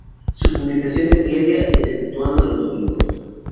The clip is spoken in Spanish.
Su publicación es diaria, exceptuando los domingos.